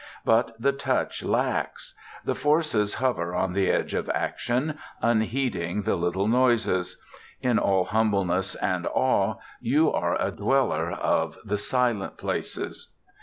But the touch lacks. The forces hover on the edge of action, unheeding the little noises. In all humbleness and awe, you are a dweller of the Silent Places.